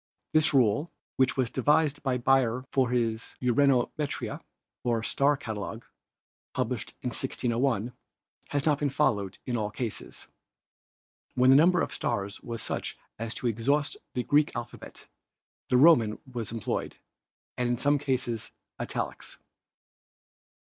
This rule, which was devised by Beyer for his Uranometria, or star catalogue, published in 1601, has not been followed in all cases. When the number of stars was such as to exhaust the Greek alphabet the Roman was employed and in some cases italics.